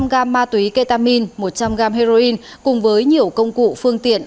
ba trăm linh gam ma túy ketamine một trăm linh gam heroin cùng với nhiều công cụ phương tiện